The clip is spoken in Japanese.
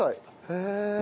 へえ。